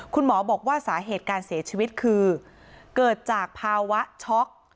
คุณหมอบอกว่าสาเหตุการเสียชีวิตคือเกิดจากภาวะช็อก